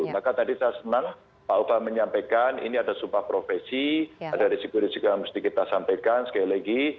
maka tadi saya senang pak opa menyampaikan ini ada sumpah profesi ada risiko risiko yang mesti kita sampaikan sekali lagi